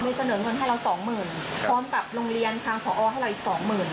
ไม่เสนอเงินให้เรา๒๐๐๐๐บาทพร้อมกับโรงเรียนคางขอออกให้เราอีก๒๐๐๐๐บาท